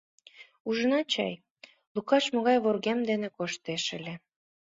Ужынат чай, Лукаш могай вургем дене коштеш ыле.